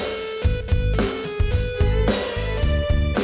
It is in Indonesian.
uhseom kampung lu